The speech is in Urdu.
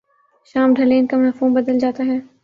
شام ڈھلے ان کا مفہوم بدل جاتا ہے۔